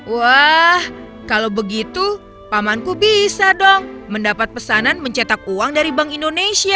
wah kalau begitu pamanku bisa dong mendapat pesanan mencetak uang dari bank indonesia